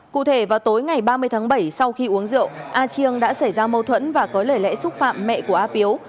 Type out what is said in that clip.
cụ thể vào tối ngày ba mươi tháng bảy sau khi uống rượu a chiêng đã xảy ra mâu thuẫn và có lời lẽ xúc phạm mẹ của a pếu